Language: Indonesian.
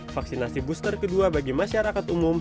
vaksinasi booster kedua bagi masyarakat umum